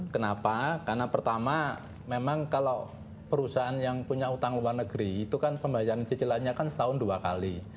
kenapa karena pertama memang kalau perusahaan yang punya utang luar negeri itu kan pembayaran cicilannya kan setahun dua kali